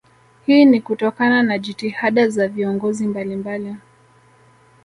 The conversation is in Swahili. Hii ni kutokana na jitihada za viongozi mbalimbali